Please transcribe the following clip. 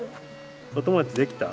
お友達できた？